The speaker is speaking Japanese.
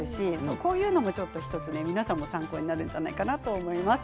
こういうのも１つ、皆さん参考になるんじゃないかと思います。